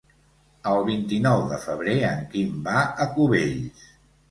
El vint-i-nou de febrer en Quim va a Cubells.